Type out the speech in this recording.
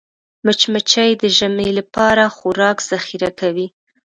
مچمچۍ د ژمي لپاره خوراک ذخیره کوي